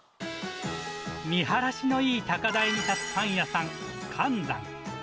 見晴らしのいい高台に建つパン屋さん、柑山。